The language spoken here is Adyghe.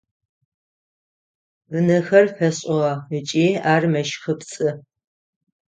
Ынэхэр фэшӏыгъэ ыкӏи ар мэщхыпцӏы.